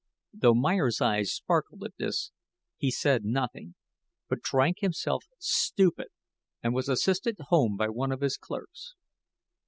Though Mr. Meyer's eyes sparkled at this, he said nothing, but drank himself stupid and was assisted home by one of his clerks.